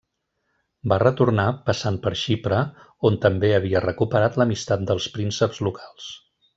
Va retornar passant per Xipre on també havia recuperat l'amistat dels prínceps locals.